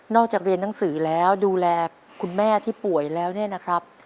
จากเรียนหนังสือแล้วดูแลคุณแม่ที่ป่วยแล้วเนี่ยนะครับ